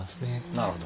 なるほど。